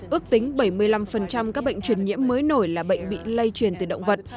ước tính bảy mươi năm các bệnh truyền nhiễm mới nổi là bệnh bị lây truyền từ động vật